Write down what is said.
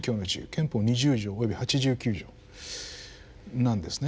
憲法二十条および八十九条なんですね。